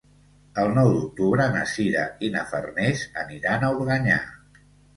El nou d'octubre na Sira i na Farners aniran a Organyà.